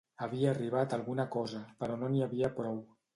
Havia arribat alguna cosa, però no n’hi havia prou.